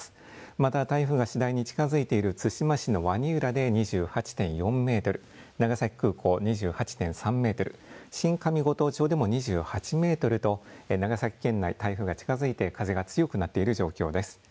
また台風が次第に近づいている対馬市の鰐浦で２８．４メートル、長崎空港２８．３メートル、新上五島町でも２８メートルと長崎県内台風が近づいて風が強くなっている状況です。